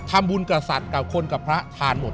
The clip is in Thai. ทำบุญกับสัตว์กับคนกับพระทานหมด